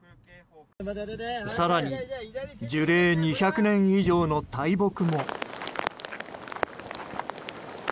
更に、樹齢２００年以上の大木も。